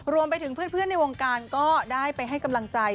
รวมไปถึงเพื่อนในวงการก็ได้ไปให้กำลังใจ